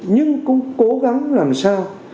nhưng cũng cố gắng làm sao